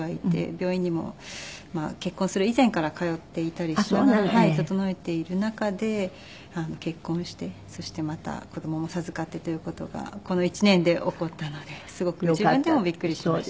病院にも結婚する以前から通っていたりしながら整えている中で結婚してそしてまた子供も授かってという事がこの１年で起こったのですごく自分でもびっくりしました。